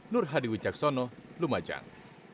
nur hadi wicaksono lumajang